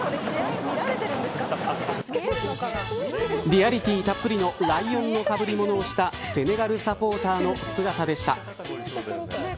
リアリティーたっぷりのライオンの被り物をしたセネガルサポーターの姿でした。